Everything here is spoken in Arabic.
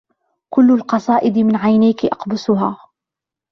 كلُّ القصائدِ من عينيكِ أقبسها